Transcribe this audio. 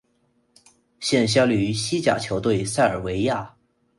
现效力于西甲球队塞维利亚。